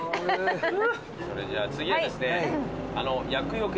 それじゃ次はですね。